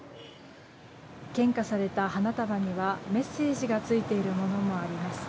献花された花束にはメッセージがついているものもあります。